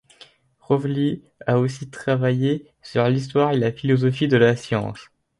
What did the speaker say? Rovelli a aussi travaillé sur l'histoire et la philosophie de la science.